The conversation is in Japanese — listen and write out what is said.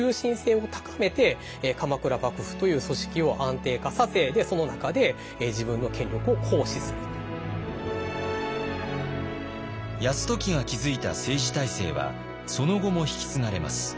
泰時が築いた政治体制はその後も引き継がれます。